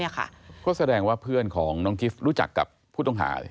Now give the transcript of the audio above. ก็แสดงว่าเพื่อนของน้องกิฟต์รู้จักกับผู้ต้องหา